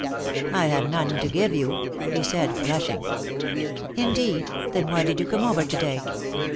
"I have none to give you," he said, flushing. "Indeed! Then why did you come over to day?"